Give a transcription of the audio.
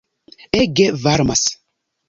Ege varmas!